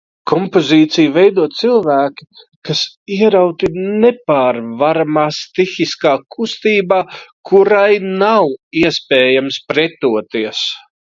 Kompozīciju veido cilvēki, kas ierauti nepārvaramā stihiskā kustībā, kurai nav iespējams pretoties.